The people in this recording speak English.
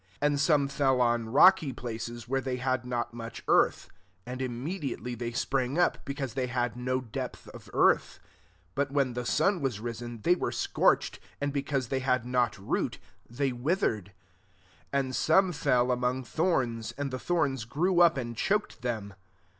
5 And some fell on rocky places, where they had not much earth: and im mediately they sprang up, be cause they had no depth of earth ; but when the sun was risen, they were scorched ; and because they had not root, they withered. 7 And some fell among thorns ; and the thorns grew up, and choked them.